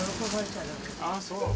ああ、そう。